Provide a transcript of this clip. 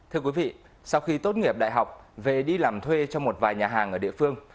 thưa quý vị sau khi tốt nghiệp đại học về đi làm thuê cho một vài nhà hàng ở địa phương